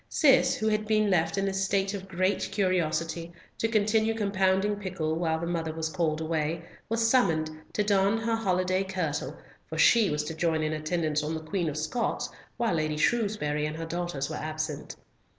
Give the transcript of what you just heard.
Cis, who had been left in a state of great curiosity, to continue compounding pickle while the mother was called away, was summoned, to don her holiday kirtle, for she was to join in attendance on the Queen of Scots while Lady Shrewsbury and her daughters were absent.